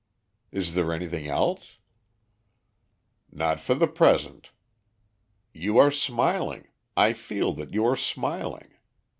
Is there anything else?" "Not for the present. You are smiling; I feel that you are smiling.